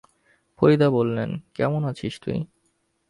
ফরিদা বললেন, কেমন আছিস তুই?